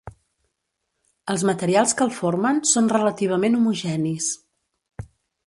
Els materials que el formen són relativament homogenis.